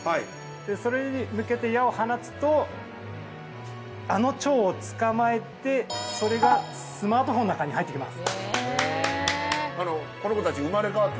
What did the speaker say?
それに向けて矢を放つとあの蝶を捕まえてそれがスマートフォンの中に入ってきます。